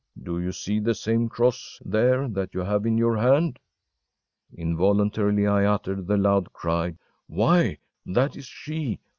Do you see the same Cross there that you have in your hand?‚ÄĚ Involuntarily I uttered the loud cry: “Why, that is she!